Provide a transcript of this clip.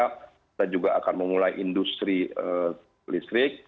kita juga akan memulai industri listrik